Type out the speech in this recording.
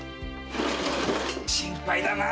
心配だなあ。